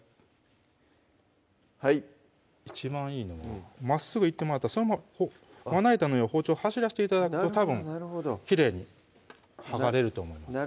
一番いいのはまっすぐいってもらったらそのまままな板の上を包丁走らして頂くとたぶんきれいに剥がれると思います